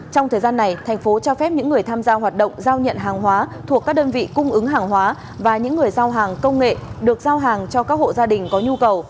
trong thời gian này thành phố cho phép những người tham gia hoạt động giao nhận hàng hóa thuộc các đơn vị cung ứng hàng hóa và những người giao hàng công nghệ được giao hàng cho các hộ gia đình có nhu cầu